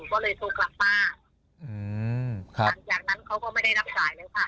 ก็เลยโทรกลับมาอืมหลังจากนั้นเขาก็ไม่ได้รับสายแล้วค่ะ